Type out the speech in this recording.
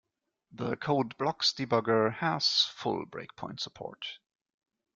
The Code::Blocks debugger has full breakpoint support.